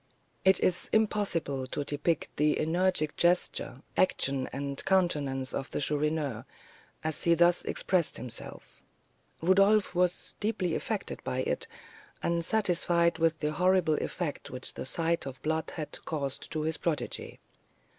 It is impossible to depict the energetic gesture, action, and countenance of the Chourineur, as he thus expressed himself. Rodolph was deeply affected by it, and satisfied with the horrible effect which the sight of the blood had caused to his protégé.